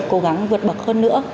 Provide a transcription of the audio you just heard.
cố gắng vượt bậc hơn nữa